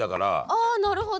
あなるほど。